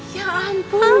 ya ampun wina